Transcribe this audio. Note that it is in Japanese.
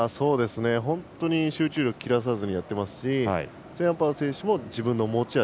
本当に集中力切らさずにやってますしセーンアンパー選手も自分の持ち味